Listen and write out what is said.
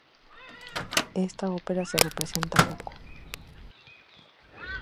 Esta ópera se representa poco.